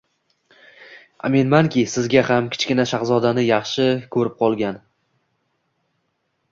Aminmanki, sizga ham, Kichkina shahzodani yaxshi ko‘rib qolgan